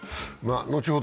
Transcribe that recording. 後ほど